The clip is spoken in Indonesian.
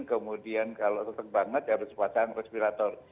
kemudian kalau sesek banget harus pasang respirator